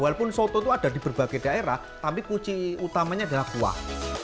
walaupun soto itu ada di berbagai daerah tapi kuci utamanya adalah kuah